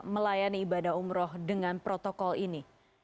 melayani ibadah umroh dengan protokol ini